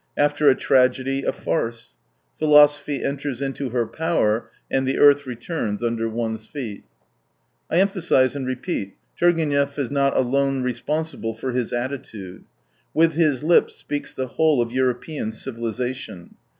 After a tragedy, a farce. Philosophy enters into her power, and the earth returns under one's feet. I emphasise and repeat : Turgenev is not alone responsible for his attitude. With his lips speaks the whole of European civilisation.